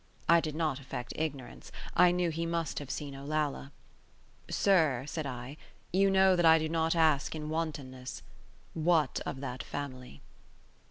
I did not affect ignorance; I knew he must have seen Olalla. "Sir," said I, "you know that I do not ask in wantonness. What of that family?"